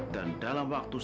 dan dalam waktu satu